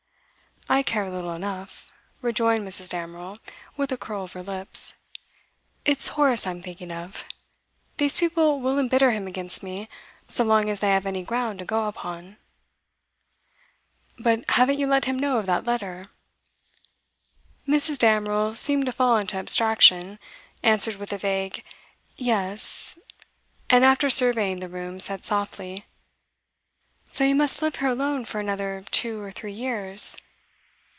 'I care little enough,' rejoined Mrs. Damerel, with a curl of the lips. 'It's Horace I am thinking of. These people will embitter him against me, so long as they have any ground to go upon.' 'But haven't you let him know of that letter?' Mrs. Damerel seemed to fall into abstraction, answered with a vague 'Yes,' and after surveying the room, said softly: 'So you must live here alone for another two or three years?